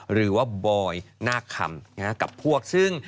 หรือว่าบอยนาคมกับพวกซึ่ง